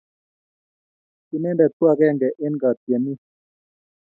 Inendet ko akenge eng katienik